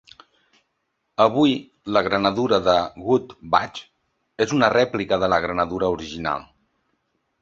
Avui la granadura de "Wood Badge" és una rèplica de la granadura original.